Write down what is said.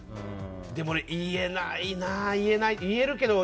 でも、俺、言えないな。